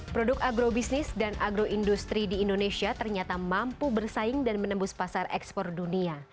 produk agrobisnis dan agroindustri di indonesia ternyata mampu bersaing dan menembus pasar ekspor dunia